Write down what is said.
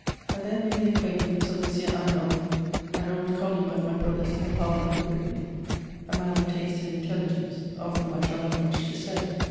I there made the acquaintance of M. Hingant, an old colleague of my brother's in the Parliament of Brittany, a man of taste and intelligence, of whom I shall have much to say.